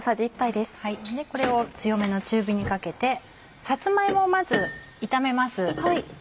これを強めの中火にかけてさつま芋をまず炒めます。